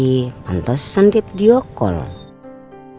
jadi yang baik udah bisa lihat aku lagi